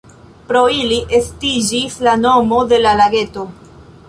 Pro ili estiĝis la nomo de la lageto.